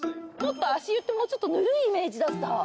足湯ってもうちょっとぬるいイメージだった。